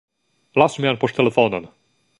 Lasu mian poŝtelefonon